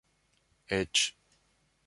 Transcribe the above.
eĉ